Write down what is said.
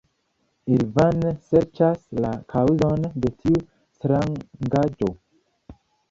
Ili vane serĉas la kaŭzon de tiu strangaĵo.